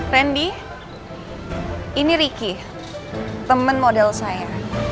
randy ini ricky teman model saya